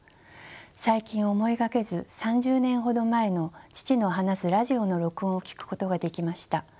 最近思いがけず３０年ほど前の父の話すラジオの録音を聴くことができました。